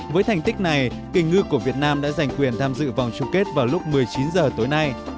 với thành tích này tình ngư của việt nam đã giành quyền tham dự vòng chung kết vào lúc một mươi chín h tối nay